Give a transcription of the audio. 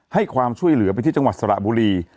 ให้ความช่วยเหลือไปที่จังหวัดสระบุรี